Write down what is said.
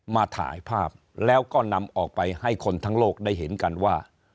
มาถ่ายภาพแล้วก็นำออกไปให้คนทั้งโลกได้เห็นกันว่า